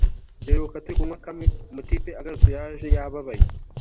duheruka turi kunywa kamwe umutipe agarutse yaje yababaye